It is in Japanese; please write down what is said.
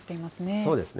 そうですね。